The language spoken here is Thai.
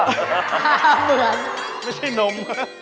ไม่ใช่นม